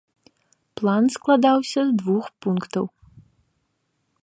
План складаўся з двух пунктаў.